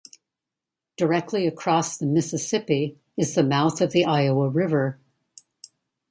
Directly across the Mississippi is the mouth of the Iowa River.